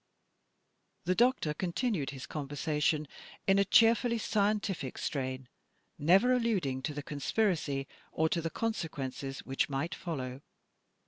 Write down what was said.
The doctor continued his conversation in a cheerfully scientific strain, never alluding to the conspiracy or to the consequences which might follow.